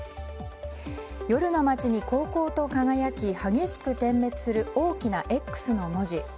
夜の街に煌々と輝き激しく点滅する大きな「Ｘ」の文字。